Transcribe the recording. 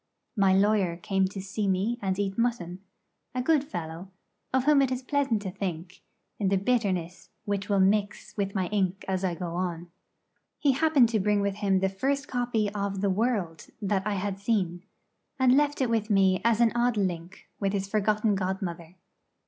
My lawyer came to see me and eat mutton a good fellow, of whom it is pleasant to think, in the bitterness which will mix with my ink as I go on. He happened to bring with him the first copy of the 'World' that I had seen, and left it with me as an odd link with its forgotten godmother.